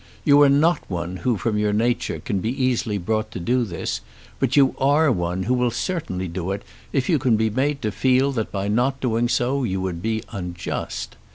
You are not one who from your nature can be brought easily to do this; but you are one who will certainly do it if you can be made to feel that by not doing so you would be unjust.